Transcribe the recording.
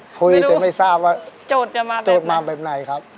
ไม่รู้จะไม่ทราบว่าโจทย์มาแบบไหนครับ